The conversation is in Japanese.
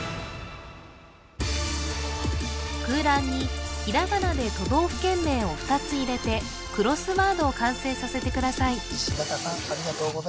空欄にひらがなで都道府県名を２つ入れてクロスワードを完成させてください